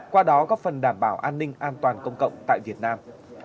qua đó góp phần đảm bảo an ninh an toàn công cộng tại việt nam